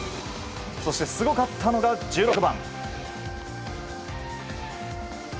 そしてすごかったのが１６番。